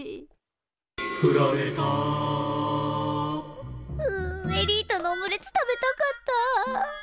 「フラれた」ううエリートのオムレツ食べたかった。